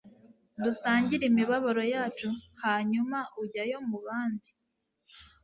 dusangire imibabaro yacu hanyuma ujyayo mubandi